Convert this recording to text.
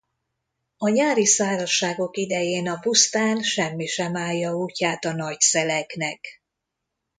A nyári szárazságok idején a pusztán semmi sem állja útját a nagy szeleknek.